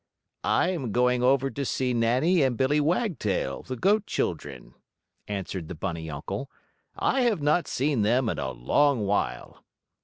"I am going over to see Nannie and Billy Wagtail, the goat children," answered the bunny uncle. "I have not seen them in a long while."